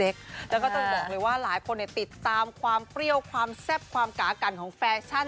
แล้วก็ต้องบอกเลยว่าหลายคนติดตามความเปรี้ยวความแซ่บความกากันของแฟชั่น